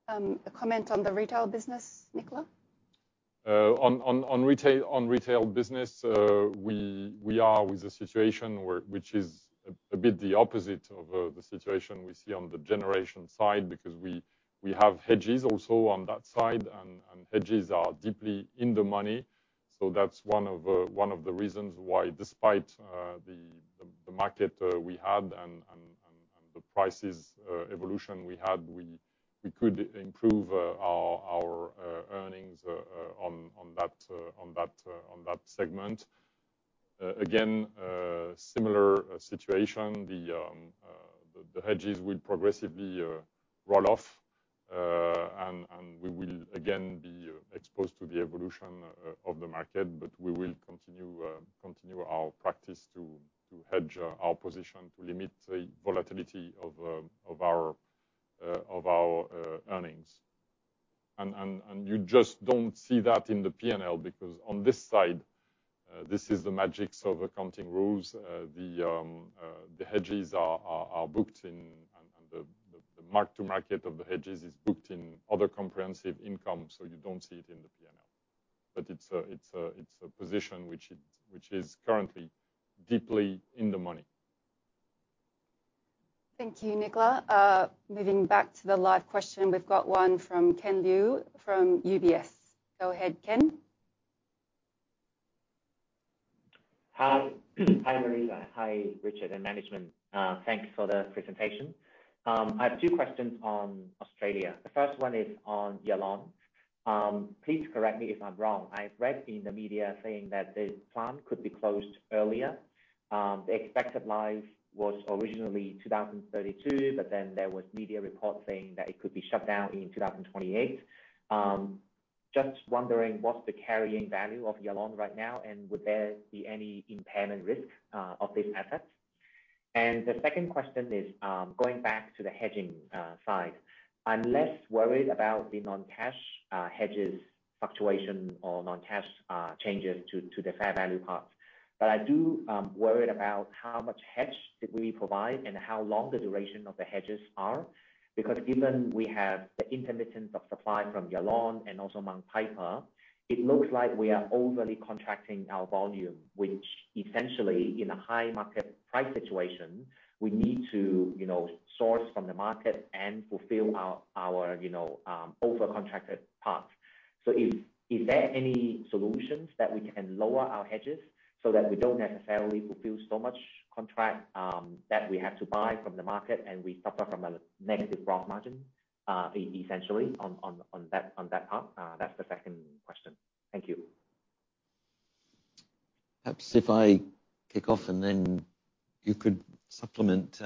A comment on the retail business, Nicolas? On retail business, we are with a situation where, which is a bit the opposite of the situation we see on the generation side, because we have hedges also on that side, and hedges are deeply in the money. That's one of the reasons why despite the market we had and the prices evolution we had, we could improve our earnings on that segment. Again, similar situation. The hedges will progressively roll off, and we will again be exposed to the evolution of the market. We will continue our practice to hedge our position to limit the volatility of our earnings. You just don't see that in the P&L because on this side, this is the magics of accounting rules. The hedges are booked in, and the mark-to-market of the hedges is booked in other comprehensive income, so you don't see it in the P&L. It's a position which is currently deeply in the money. Thank you, Nicolas. Moving back to the live question. We've got one from Ken Liu from UBS. Go ahead, Ken. Hi. Hi, Marissa. Hi, Richard and management. Thanks for the presentation. I have two questions on Australia. The first one is on Yallourn. Please correct me if I'm wrong. I read in the media saying that the plant could be closed earlier. The expected life was originally 2032, but then there was media reports saying that it could be shut down in 2028. Just wondering, what's the carrying value of Yallourn right now, and would there be any impairment risk of this asset? The second question is, going back to the hedging side. I'm less worried about the non-cash hedges fluctuation or non-cash changes to the fair value part. But I do worried about how much hedge did we provide and how long the duration of the hedges are. Because given we have the intermittency of supply from Yallourn and also Mount Piper, it looks like we are overly contracting our volume, which essentially in a high market price situation, we need to, you know, source from the market and fulfill our overcontracted part. Is there any solutions that we can lower our hedges so that we don't necessarily fulfill so much contract, that we have to buy from the market and we suffer from a negative gross margin, essentially on that part? That's the second question. Thank you. Perhaps if I kick off and then you could supplement,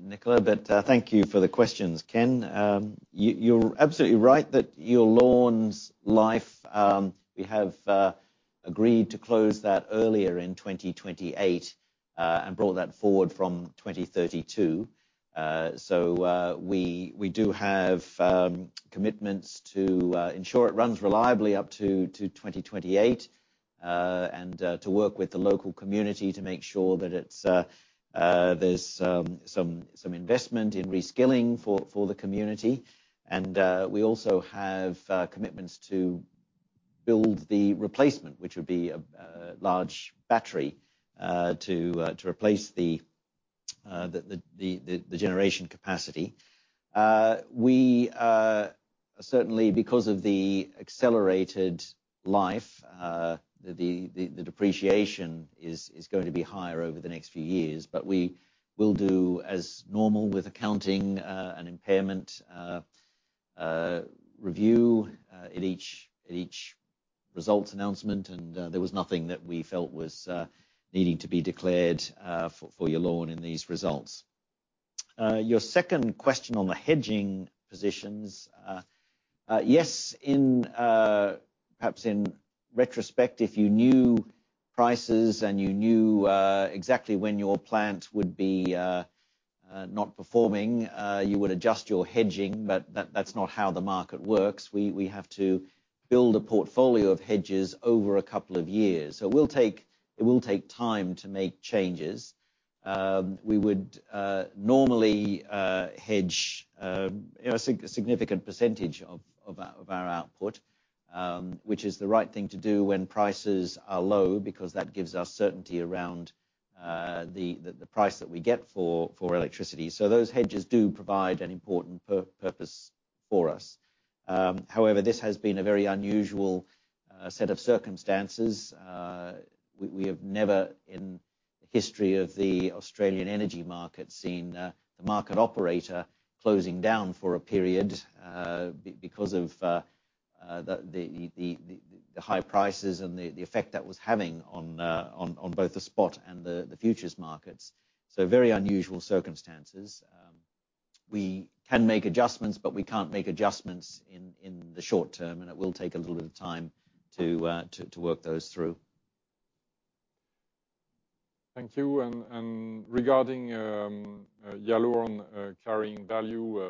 Nicolas, but thank you for the questions, Ken. You're absolutely right that Yallourn's life, we have agreed to close that earlier in 2028, and brought that forward from 2032. We do have commitments to ensure it runs reliably up to 2028, and to work with the local community to make sure that there's some investment in reskilling for the community. We also have commitments to build the replacement, which would be a large battery, to replace the generation capacity. We certainly because of the accelerated life, the depreciation is going to be higher over the next few years. We will do as normal with accounting and impairment review at each results announcement. There was nothing that we felt was needing to be declared for Yallourn in these results. Your second question on the hedging positions. Yes, in perhaps in retrospect, if you knew prices and you knew exactly when your plant would be not performing, you would adjust your hedging, but that's not how the market works. We have to build a portfolio of hedges over a couple of years. It will take time to make changes. We would normally hedge a significant percentage of our output, which is the right thing to do when prices are low because that gives us certainty around the price that we get for electricity. Those hedges do provide an important purpose for us. However, this has been a very unusual set of circumstances. We have never in the history of the Australian energy market seen the market operator closing down for a period because of the high prices and the effect that was having on both the spot and the futures markets. Very unusual circumstances. We can make adjustments, but we can't make adjustments in the short term, and it will take a little bit of time to work those through. Thank you. Regarding Yallourn carrying value,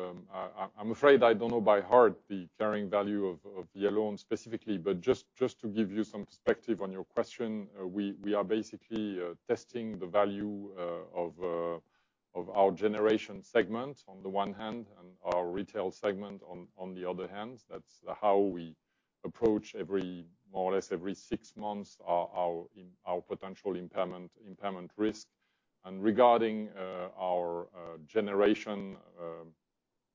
I'm afraid I don't know by heart the carrying value of Yallourn specifically. Just to give you some perspective on your question, we are basically testing the value of our generation segment on the one hand and our retail segment on the other hand. That's how we approach more or less every six months our potential impairment risk. Regarding our generation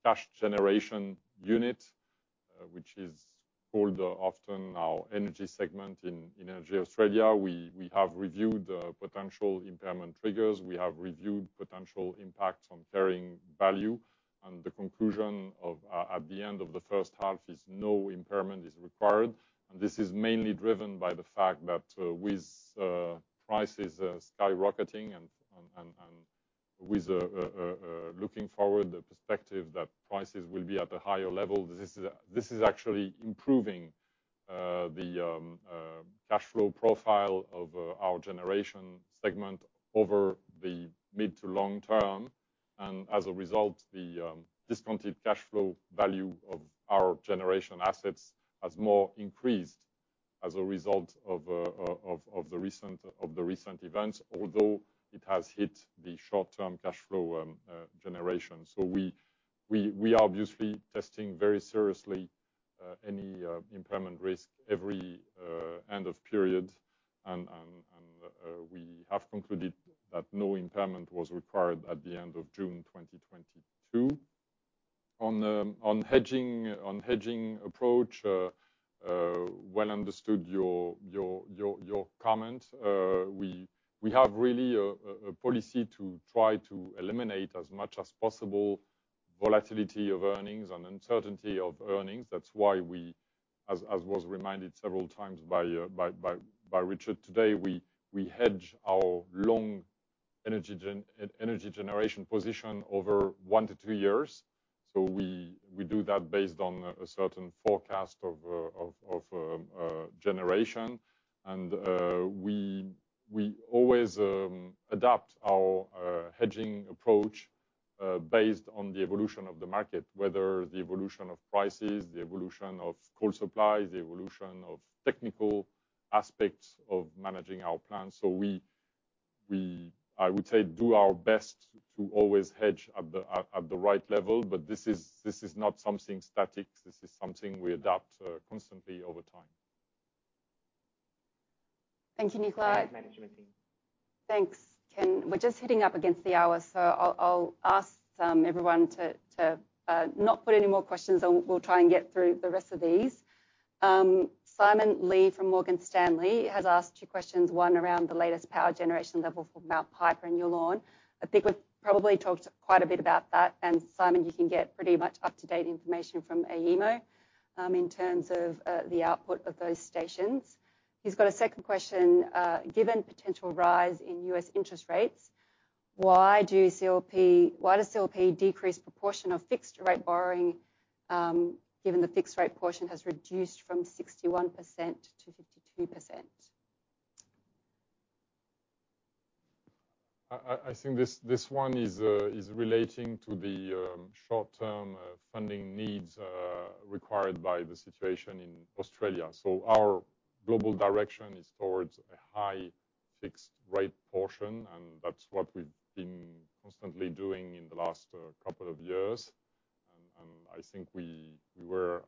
cash-generating unit, which is called often our energy segment in EnergyAustralia, we have reviewed the potential impairment triggers. We have reviewed potential impacts on carrying value. The conclusion of at the end of the first half is no impairment is required. This is mainly driven by the fact that with prices skyrocketing and with looking forward the perspective that prices will be at a higher level, this is actually improving the cash flow profile of our generation segment over the mid to long term. As a result, the discounted cash flow value of our generation assets has more increased as a result of the recent events. Although it has hit the short-term cash flow generation. We are obviously testing very seriously any impairment risk every end of period. We have concluded that no impairment was required at the end of June 2022. On hedging approach, well understood your comment. We have really a policy to try to eliminate as much as possible volatility of earnings and uncertainty of earnings. That's why, as was reminded several times by Richard today, we hedge our long energy generation position over 1-2 years. We do that based on a certain forecast of generation. We always adapt our hedging approach based on the evolution of the market, whether the evolution of prices, the evolution of coal supplies, the evolution of technical aspects of managing our plants. We, I would say, do our best to always hedge at the right level. This is not something static. This is something we adapt constantly over time. Thank you, Nicolas. Management team. Thanks, Ken. We're just hitting up against the hour, so I'll ask everyone to not put any more questions and we'll try and get through the rest of these. Simon Lee from Morgan Stanley has asked two questions, one around the latest power generation level for Mount Piper and Yallourn. I think we've probably talked quite a bit about that. Simon, you can get pretty much up-to-date information from AEMO in terms of the output of those stations. He's got a second question. Given potential rise in U.S. interest rates, why does CLP decrease proportion of fixed rate borrowing, given the fixed rate portion has reduced from 61%-52%? I think this one is relating to the short-term funding needs required by the situation in Australia. Our global direction is towards a high fixed rate portion, and that's what we've been constantly doing in the last couple of years. I think we are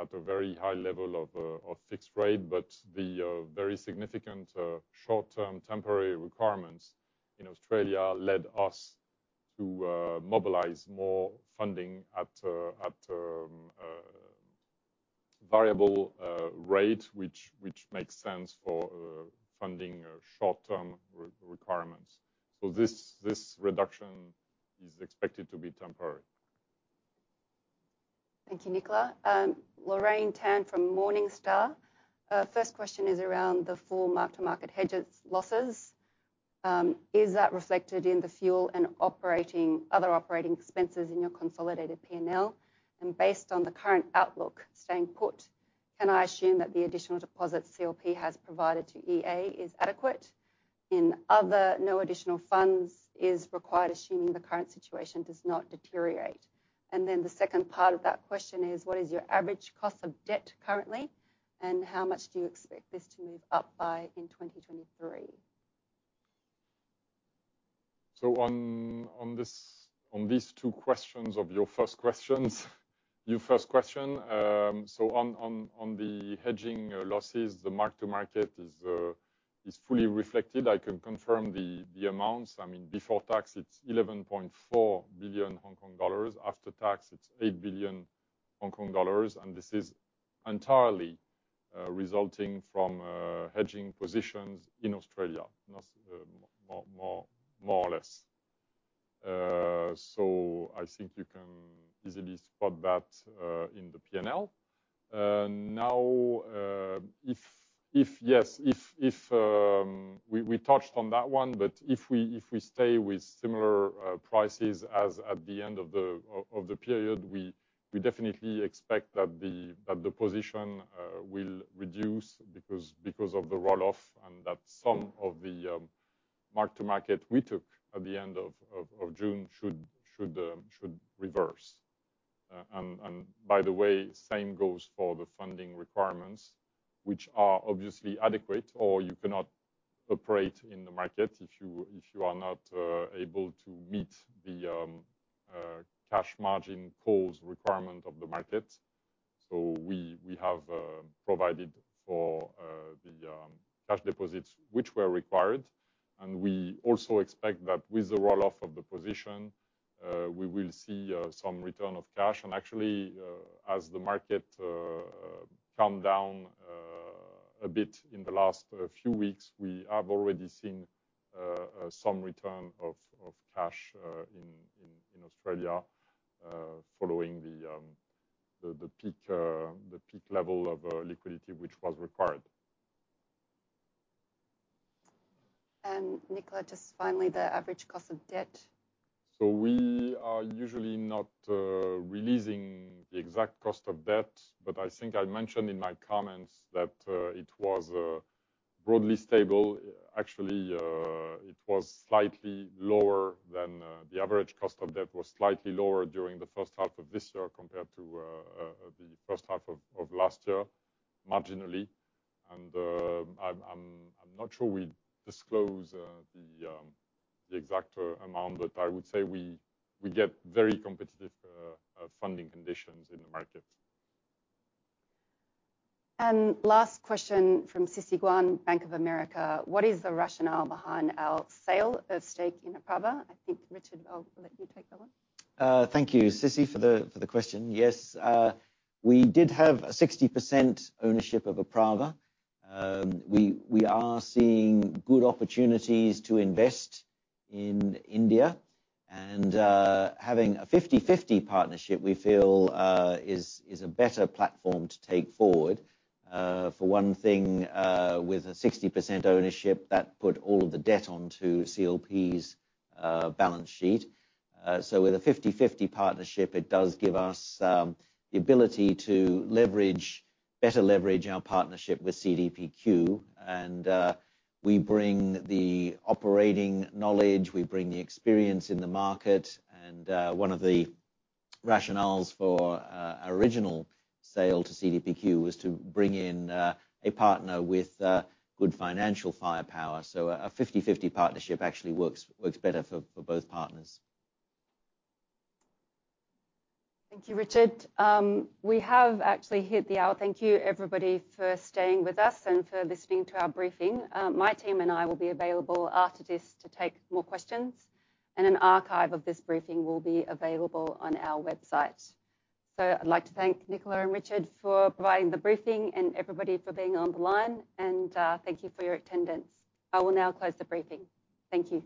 at a very high level of fixed rate. The very significant short-term temporary requirements in Australia led us to mobilize more funding at variable rate, which makes sense for funding short-term requirements. This reduction is expected to be temporary. Thank you, Nicolas. Lorraine Tan from Morningstar. First question is around the full mark-to-market hedges losses. Is that reflected in the fuel and other operating expenses in your consolidated P&L? Based on the current outlook staying put, can I assume that the additional deposits CLP has provided to EA is adequate? In other words, no additional funds is required, assuming the current situation does not deteriorate. The second part of that question is what is your average cost of debt currently, and how much do you expect this to move up by in 2023? On these two questions of your first question, the hedging losses, the mark-to-market is fully reflected. I can confirm the amounts. I mean, before tax, it's 11.4 billion Hong Kong dollars. After tax, it's 8 billion Hong Kong dollars. This is entirely resulting from hedging positions in Australia, not more or less. I think you can easily spot that in the P&L. Now, we touched on that one, but if we stay with similar prices as at the end of the period, we definitely expect that the position will reduce because of the roll-off and that some of the mark-to-market we took at the end of June should reverse. By the way, same goes for the funding requirements, which are obviously adequate, or you cannot operate in the market if you are not able to meet the cash margin calls requirement of the market. We have provided for the cash deposits which were required, and we also expect that with the roll-off of the position, we will see some return of cash. Actually, as the market calmed down a bit in the last few weeks, we have already seen some return of cash in Australia following the peak level of liquidity which was required. Nicolas, just finally, the average cost of debt. We are usually not releasing the exact cost of debt, but I think I mentioned in my comments that it was broadly stable. Actually, the average cost of debt was slightly lower during the first half of this year compared to the first half of last year, marginally. I'm not sure we disclose the exact amount, but I would say we get very competitive funding conditions in the market. Last question from Cissy Guan, Bank of America. What is the rationale behind our sale of stake in Apraava? I think, Richard, I'll let you take that one. Thank you, Cissy, for the question. Yes, we did have a 60% ownership of Apraava. We are seeing good opportunities to invest in India, and having a 50/50 partnership, we feel is a better platform to take forward. For one thing, with a 60% ownership, that put all of the debt onto CLP's balance sheet. With a 50/50 partnership, it does give us the ability to better leverage our partnership with CDPQ. We bring the operating knowledge. We bring the experience in the market. One of the rationales for our original sale to CDPQ was to bring in a partner with good financial firepower. A 50/50 partnership actually works better for both partners. Thank you, Richard. We have actually hit the hour. Thank you everybody for staying with us and for listening to our briefing. My team and I will be available after this to take more questions, and an archive of this briefing will be available on our website. I'd like to thank Nicolas and Richard for providing the briefing and everybody for being on the line, and thank you for your attendance. I will now close the briefing. Thank you.